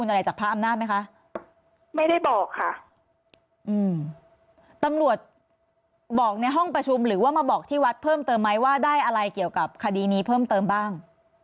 อืมตำรวจบอกในห้องประชุมหรือว่ามาบอกที่วัดเพิ่มเติมไหมว่าได้อะไรเกี่ยวกับคดีนี้เพิ่มเติมบ้าง